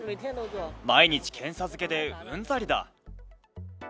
毎日検査漬けでうんざりだ。